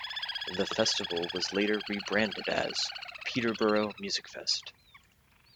The festival was later rebranded as "Peterborough Musicfest"